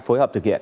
phối hợp thực hiện